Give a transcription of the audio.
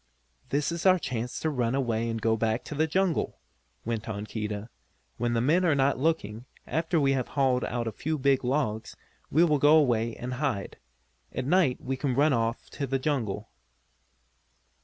"This is our chance to run away and go back to the jungle," went on Keedah. "When the men are not looking, after we have hauled out a few big logs, we will go away and hide. At night we can run off to the jungle."